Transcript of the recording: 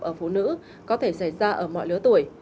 ở phụ nữ có thể xảy ra ở mọi lứa tuổi